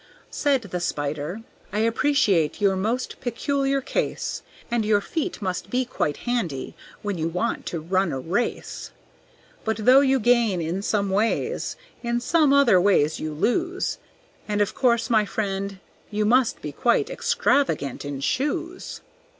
Said the Spider: "I appreciate your most peculiar case, And your feet must be quite handy when you want to run a race; But though you gain in some ways, in some other ways you lose; And, of course, my friend, you must be quite extravagant in shoes."